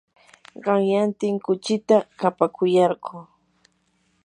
qanyantin kuchita kapakuyarquu.